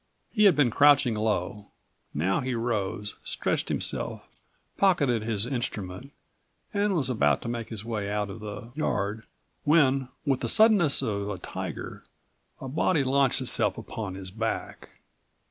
He had been crouching low. Now he rose, stretched himself, pocketed his instrument and was about to make his way out of the yard when, with the suddenness of a tiger, a body launched itself upon his back.